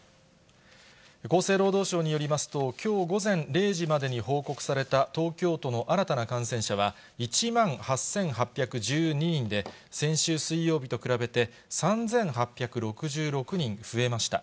厚生労働省によりますと、きょう午前０時までに報告された東京都の新たな感染者は１万８８１２人で、先週水曜日と比べて、３８６６人増えました。